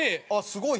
すごい！